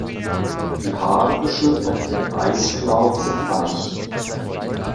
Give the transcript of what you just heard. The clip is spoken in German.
Die Haarbüschel unter den Beißklauen sind weich.